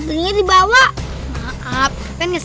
tinggi dibawa maaf pengen aja